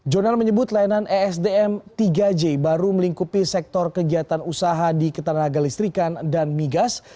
jonan menyebut layanan esdm tiga j baru melingkupi sektor kegiatan usaha di ketenaga listrikan dan migas